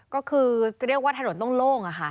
ก็คือจะเรียกว่าถนนต้องโล่งค่ะ